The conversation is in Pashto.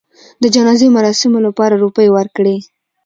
د جنازې مراسمو لپاره روپۍ ورکړې.